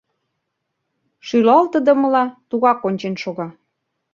Шӱлалтыдымыла, тугак ончен шога.